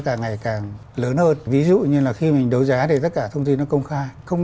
càng ngày càng lớn hơn ví dụ như là khi mình đấu giá thì tất cả thông tin nó công khai không